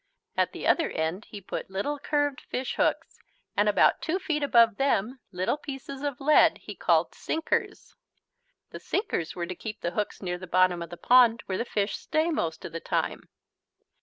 At the other end he put little curved fish hooks, and about two feet above them little pieces of lead, called "sinkers." The sinkers were to keep the hooks near the bottom of the pond where the fish stay most of the time.